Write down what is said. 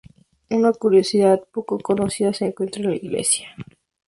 Una curiosidad poco conocida se encuentra en la iglesia.